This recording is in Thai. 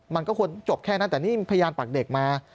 มันก็ควรจบแค่นั้นแต่นี่พยานปากเด็กมา